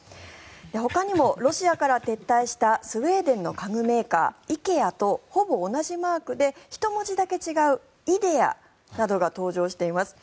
ほかにもロシアから撤退したスウェーデンの家具メーカーＩＫＥＡとほぼ同じマークで１文字だけ違うＩＤＥＡなどが登場しています。